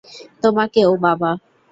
তোমাকেও, বাবা!